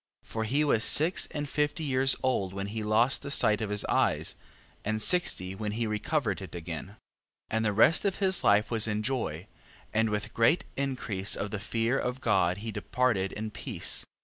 For he was six and fifty years old when he lost the sight of his eyes, and sixty when he recovered it again. 14:4. And the rest of his life was in joy, and with great increase of the fear of God he departed in peace. 14:5.